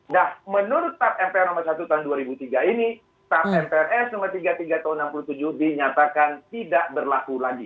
nah menurut tap mpr nomor satu tahun dua ribu tiga ini tap mprs nomor tiga puluh tiga tahun seribu sembilan ratus enam puluh tujuh dinyatakan tidak berlaku lagi